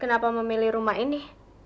kenapa memilih rumah ini